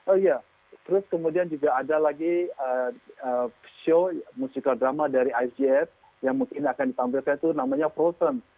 oh ya terus kemudian juga ada lagi show musikal drama dari icf yang mungkin akan ditampilkan itu namanya frozen